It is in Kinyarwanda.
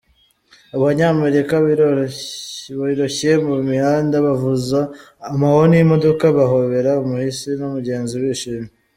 Abanyamerika biroshye mu mihanda, bavuza amahoni y’imodoka, bahobera umuhisi n’umugenzi bishimye.”